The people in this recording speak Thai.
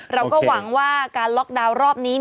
เราก็หวังว่าการล็อกดาวน์รอบนี้